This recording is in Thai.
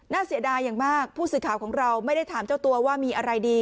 เสียดายอย่างมากผู้สื่อข่าวของเราไม่ได้ถามเจ้าตัวว่ามีอะไรดี